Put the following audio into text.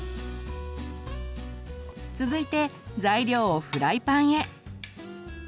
続いて材料をフライパンへ。